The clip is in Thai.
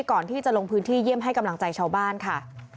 ก่อนที่จะลงพื้นที่เยี่ยมให้กำลังใจชาวบ้านค่ะ